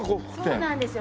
そうなんですよ。